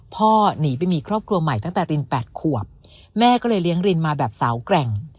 หนีไปมีครอบครัวใหม่ตั้งแต่ริน๘ขวบแม่ก็เลยเลี้ยงรินมาแบบสาวแกร่ง